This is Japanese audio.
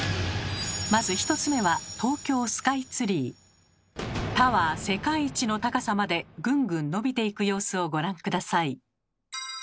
まず１つ目はタワー世界一の高さまでぐんぐん伸びていく様子をご覧下さい。